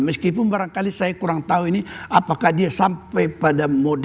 meskipun barangkali saya kurang tahu ini apakah dia sampai percaya kepada kebenaran atau tidak